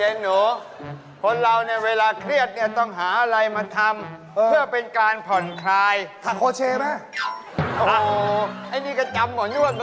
โอ๊ยใครได้แต่จะเอาผัวไปก่อนนะ